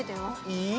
いい？